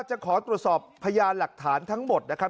จะขอตรวจสอบพยานหลักฐานทั้งหมดนะครับ